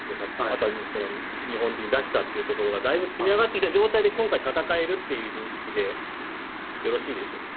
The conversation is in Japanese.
あとは日本らしさというところがだいぶ積み上がってきた状態で今回戦えるという認識でよろしいでしょうか。